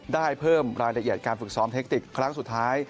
ได้เพิ่มรายละเอียดการฝึกซ้อมเทคติกครั้งสุดท้าย